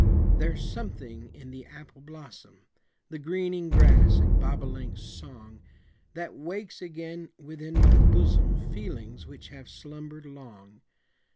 There's something in the apple blossom, The greening grass and bobolink's song, That wakes again within my bosom Feelings which have slumbered long.